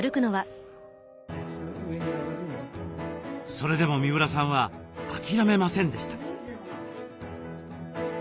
それでも三浦さんは諦めませんでした。